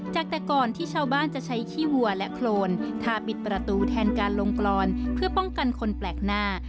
จากแต่ก่อนที่ชาวบ้านจะใช้ขี้วัวและโครนทาปิดประตูแทนการลงกรอนเพื่อป้องกันคนแปลกหน้า